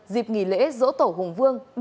dịp nghỉ lễ dỗ tổ hùng vương